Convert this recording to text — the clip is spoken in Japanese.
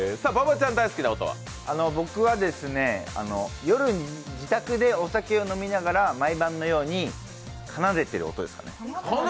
僕は夜、自宅でお酒を飲みながら毎晩のように奏でている音です。